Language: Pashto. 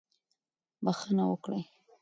بښنه وکړئ.